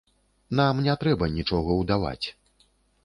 Нам не трэба нічога ўдаваць.